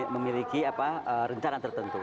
memiliki rencana tertentu